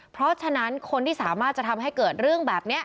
เพราะฉะนั้นคนที่สามารถจะทำให้เกิดเรื่องแบบนี้